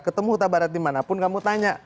ketemu huta barat dimanapun kamu tanya